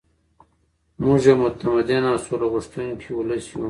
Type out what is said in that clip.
موږ یو متمدن او سوله غوښتونکی ولس یو.